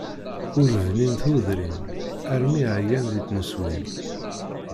Ur bnin tudrin, armi ɛyan di tneswin.